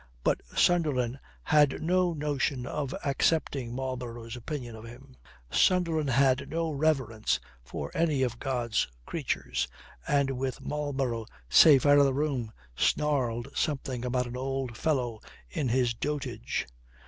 But Sunderland had no notion of accepting Marlborough's opinion of him. Sunderland had no reverence for any of God's creatures, and with Marlborough safe out of the room, snarled something about an old fellow in his dotage.